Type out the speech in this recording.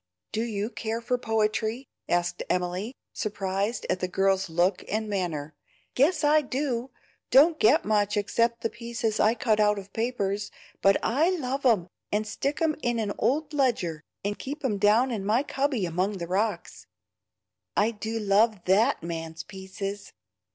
"Do you care for poetry?" asked Emily, surprised at the girl's look and manner. "Guess I do! don't get much except the pieces I cut out of papers, but I love 'em, and stick 'em in an old ledger, and keep it down in my cubby among the rocks. I do love THAT man's pieces.